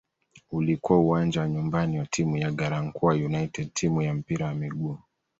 Ulikuwa uwanja wa nyumbani wa timu ya "Garankuwa United" timu ya mpira wa miguu.